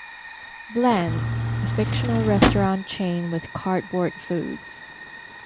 Bland's, a fictional restaurant chain with cardboard foods.